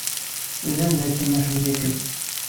Iban dakken iḥemmel-ikem.